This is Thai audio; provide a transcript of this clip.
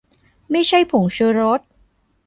ไม่ใช่ผงชูรส